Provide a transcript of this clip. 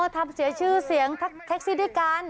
ทำเสียชื่อเสียงแท็กซี่ด้วยกัน